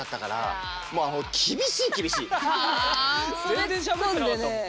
全然しゃべってなかったもん。